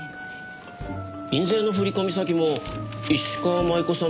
印税の振り込み先も石川真悠子さん